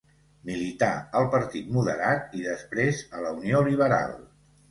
Milità al Partit Moderat i després a la Unió Liberal.